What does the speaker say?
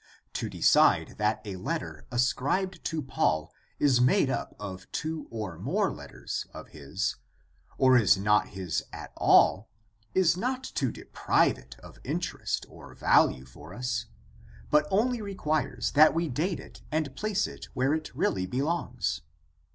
To decide that a letter ascribed to Paul is made up of two or more letters of his, or is not his at all, is not to deprive it of interest or value for us, but only requires that we date it and place it where it really belongs.